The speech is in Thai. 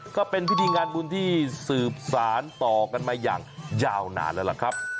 ก็เป็นพิธีงานบุญที่สืบสารต่อกันมาอย่างยาวนานแล้วล่ะครับ